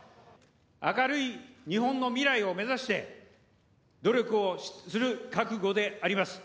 明るい日本の未来を目指して、努力をする覚悟であります。